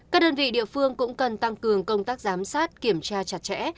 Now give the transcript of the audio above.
các đơn vị địa phương cũng cần tăng cường công tác giám sát kiểm tra chặt chẽ